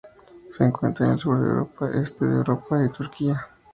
Se encuentra en el Sur de Europa, Este de Europa y Turquía.